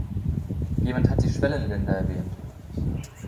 Jemand hat die Schwellenländer erwähnt.